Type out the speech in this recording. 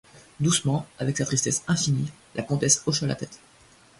Doucement, avec sa tristesse infinie, la comtesse hocha la tête.